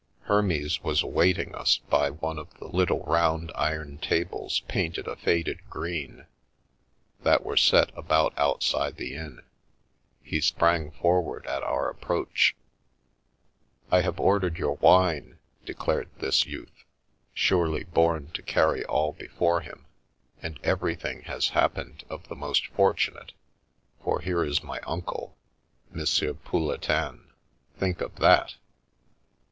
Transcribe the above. Hermes was awaiting us by one of the little round iron tables painted a faded green that were set about outside the inn. He sprang forward at our approach. " I have ordered your wine," declared this youth (surely born to carry all before him), "and everything has happened of the most fortunate, for here is my uncle, Monsieur Pouletin. Think of that